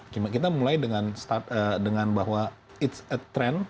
kita mulai dengan bahwa it's a trend